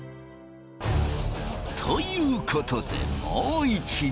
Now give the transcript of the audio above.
ということでもう一度。